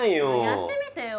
やってみてよ。